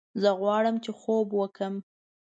زه غواړم چې خوب وکړم